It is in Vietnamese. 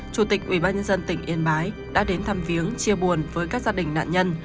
chủ tịch ủy ban nhân dân tỉnh yên bái đã đến thăm viếng chia buồn với các gia đình nạn nhân